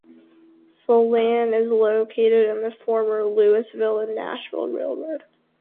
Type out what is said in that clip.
Phelan is located on the former Louisville and Nashville Railroad.